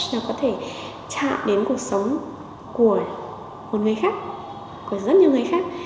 nó có thể chạm đến cuộc sống của một người khác của rất nhiều người khác